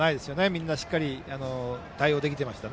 みんなしっかり対応できていました。